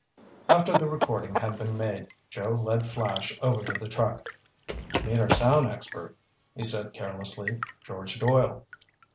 After the recording had been made, Joe led Flash over to the truck. "Meet our sound expert," he said carelessly. "George Doyle."